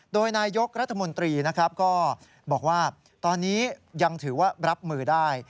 โดยนายกรัฐมนตรีนะครับก็บอกว่าตอนนี้ยังถือว่ารับมือได้